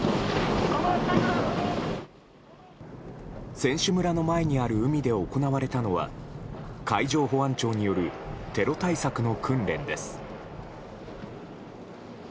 選手村の前にある海で行われたのは海上保安庁によるテロ対策の訓練です。